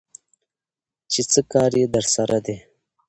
چې څه کار يې درسره دى?